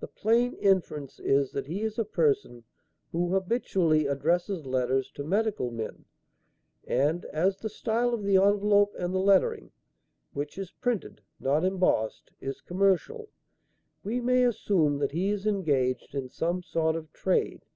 The plain inference is that he is a person who habitually addresses letters to medical men, and as the style of the envelope and the lettering which is printed, not embossed is commercial, we may assume that he is engaged in some sort of trade.